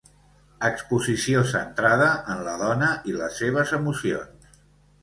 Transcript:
Exposició centrada en la dona i les seves emocions.